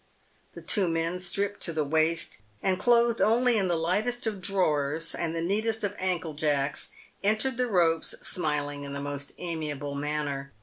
The two men stripped to the waist, and clothed only in the lightest of drawers and the neatest of ankle jacks, entered the ropes, smiling in the most amiable manner.